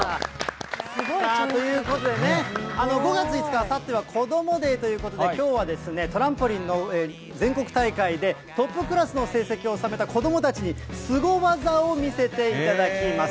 さあ、ということでね、５月５日、あさってはこどもｄａｙということで、きょうはですね、トランポリンの全国大会でトップクラスの成績を収めた子どもたちに、すご技を見せていただきます。